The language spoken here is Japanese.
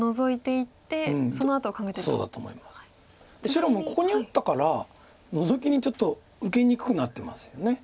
白もここに打ったからノゾキにちょっと受けにくくなってますよね。